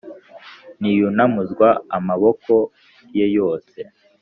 ntiyunamuzwa amaboko ye yose